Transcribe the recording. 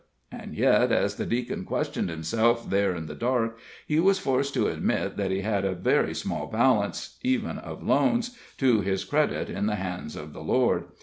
And yet, as the Deacon questioned himself there in the dark, he was forced to admit that he had a very small balance even of loans to his credit in the hands of the Lord.